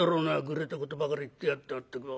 ぐれたことばかり言ってやがってまったく。